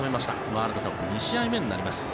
ワールドカップ２試合目になります。